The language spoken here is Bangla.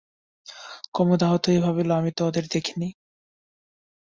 কুমুদ আহত হইয়া ভাবিল, আমি তো ওদের দেখিনি!